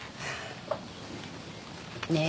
ねえ。